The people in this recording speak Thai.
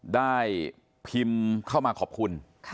ได้พิมพ์เข้ามาขอบคุณ